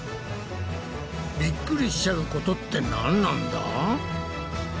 ビックリしちゃうことって何なんだ？